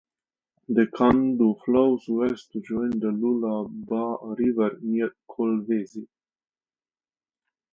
The Kando flows west to join the Lualaba River near Kolwezi.